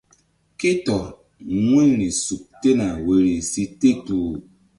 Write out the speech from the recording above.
Ké tɔr wu̧yri suk tena woyri si te kpuh.